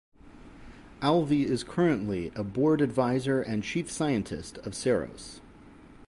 Alvey is currently a board advisor and Chief Scientist of Ceros.